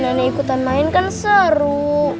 nenek ikutan main kan seru